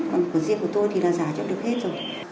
còn riêng của tôi thì là giả cho được hết rồi